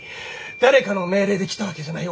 誰かの命令で来たわけじゃない。